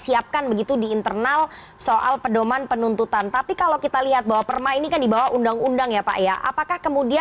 itu adalah contoh contoh dan juga